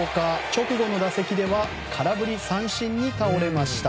直後の打席では空振り三振に倒れました。